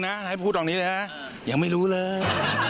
เอาจริงนะให้ปูชิตรองนี้เลยนะอย่างไม่รู้เลย